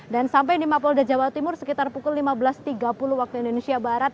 dan sampai di mapolda jawa timur sekitar pukul lima belas tiga puluh waktu indonesia barat